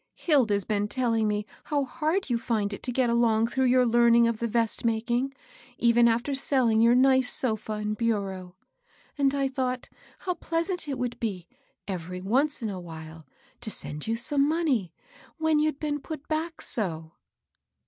"Hilda's been telling me how hard you find it to get along through your learning of the vest making, even after selling your nice so& and bureau; and I thought how pleasant it would be, every once in a while, to send you some money, when you'd been put back so."